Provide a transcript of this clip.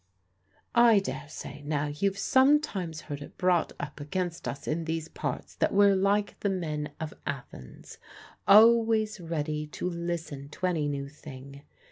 I daresay, now, you've sometimes heard it brought up against us in these parts that we're like the men of Athens, always ready to listen to any new thing.